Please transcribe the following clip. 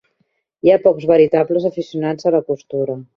Hi ha pocs veritables aficionats a la costura.